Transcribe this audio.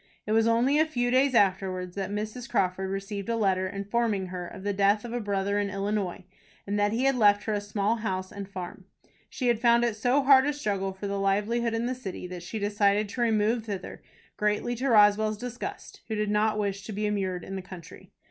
It was only a few days afterwards that Mrs. Crawford received a letter, informing her of the death of a brother in Illinois, and that he had left her a small house and farm. She had found it so hard a struggle for a livelihood in the city, that she decided to remove thither, greatly to Roswell's disgust, who did not wish to be immured in the country.